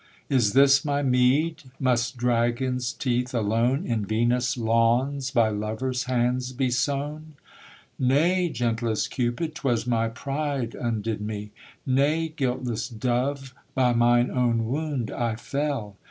Is this my meed? Must dragons' teeth alone In Venus' lawns by lovers' hands be sown? Nay, gentlest Cupid; 'twas my pride undid me; Nay, guiltless dove; by mine own wound I fell.